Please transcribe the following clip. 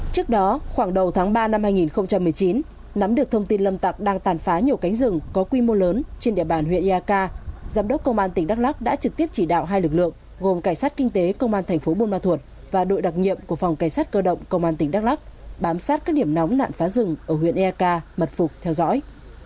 trước đó khoảng đầu tháng ba năm hai nghìn một mươi chín nắm được thông tin lâm tặc đang tàn phá nhiều cánh rừng có quy mô lớn trên địa bàn huyện eak giám đốc công an tỉnh đắk lắc đã trực tiếp chỉ đạo hai lực lượng gồm cảnh sát kinh tế công an thành phố buôn ma thuột và đội đặc nhiệm của phòng cảnh sát cơ động công an tỉnh đắk lắc bám sát các điểm nóng nạn phá rừng ở huyện eak mật phục theo dõi